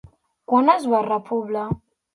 Quan es va repoblar?